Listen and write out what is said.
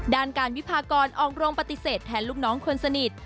ด้านการวิพากรออกโรงปฏิเสธแทนลูกน้องคนสนิท